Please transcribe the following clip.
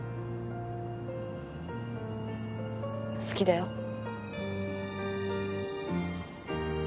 好きだよ。